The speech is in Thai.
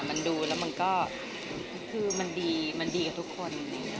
มันดูแล้วก็มันดีกับทุกคน